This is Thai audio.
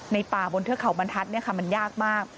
ในป่าบนเทือกเขาบรรทัศน์เนี่ยค่ะมันยากมาก